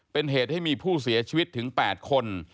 เป็นเหตุให้มีผู้เสียชีวิตถึง๘คน